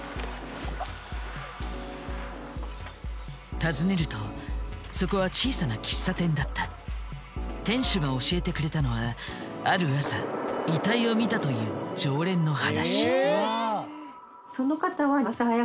訪ねるとそこは店主が教えてくれたのはある朝遺体を見たという常連の話。